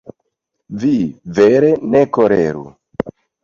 Vi, vere, ne koleru.